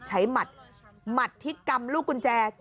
ใช้หมัดทิกกำลูกกุญแจ